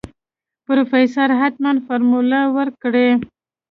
پروفيسر حتمن فارموله ورکړې.